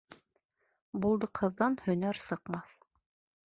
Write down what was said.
Булдыҡһыҙҙан һөнәр сыҡмаҫ.